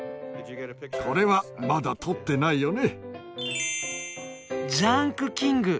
これはまだ撮ってないよね。